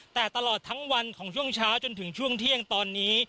แต่ตลอดทั้งวันของช่วงเช้าจนถึงช่วงเที่ยงตอนนี้